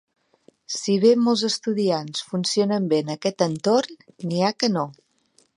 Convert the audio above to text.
Si bé molts estudiants funcionen bé en aquest entorn, n'hi ha que no.